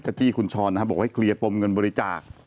ก็ที่คุณชรนะครับบอกว่าให้เคลียร์ปรมเงินบริจาค